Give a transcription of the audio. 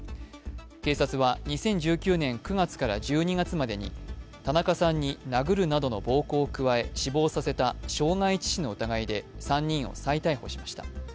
警察は、２０１９年９月から１２月までに田中さんに殴るなどの暴行を加え死亡させた傷害致死の疑いで３人を再逮捕しました。